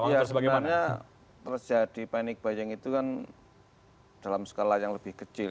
ya sebenarnya terjadi panic buying itu kan dalam skala yang lebih kecil